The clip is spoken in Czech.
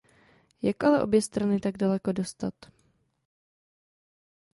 Jak ale obě strany tak daleko dostat?